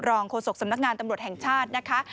โฆษกสำนักงานตำรวจแห่งชาตินะคะ